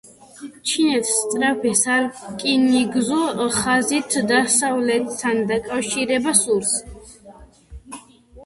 ჩინეთს სწრაფი სარკინიგზო ხაზით, დასავლეთთან დაკავშირება სურს.